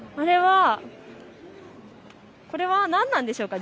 これは何でしょうか。